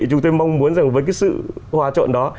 chúng tôi mong muốn rằng với cái sự hòa trộn đó